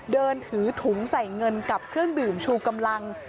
เดินถือถุงใส่เงินกับเครื่องดื่มชูกำลัง